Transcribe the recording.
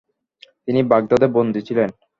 তিনি বাগদাদে বন্দী ছিলেন।